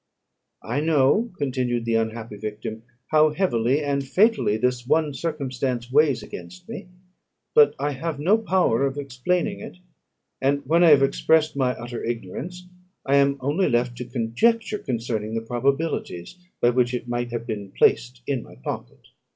"I know," continued the unhappy victim, "how heavily and fatally this one circumstance weighs against me, but I have no power of explaining it; and when I have expressed my utter ignorance, I am only left to conjecture concerning the probabilities by which it might have been placed in my pocket.